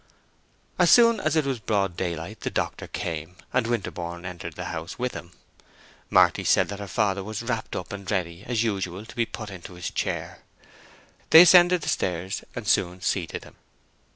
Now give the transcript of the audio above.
As soon as it was broad daylight the doctor came, and Winterborne entered the house with him. Marty said that her father was wrapped up and ready, as usual, to be put into his chair. They ascended the stairs, and soon seated him.